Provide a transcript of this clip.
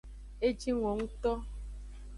E jingo ngto.